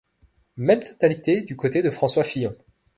Même tonalité du côté de François Fillon.